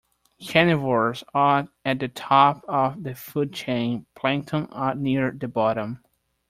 Carnivores are at the top of the food chain; plankton are near the bottom